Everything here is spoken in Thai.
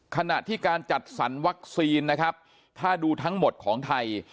ขณะที่การจัดสรรวัคซีนนะครับถ้าดูทั้งหมดของไทย